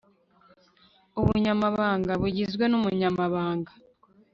ubunyamabanga bugizwe n umunyamabanga